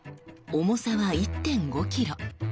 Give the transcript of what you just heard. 重さは１．５ｋｇ。